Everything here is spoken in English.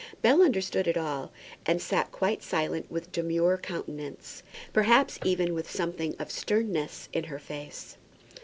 Bell understood it all, and sat quite silent, with demure countenance; perhaps even with something of sternness in her face.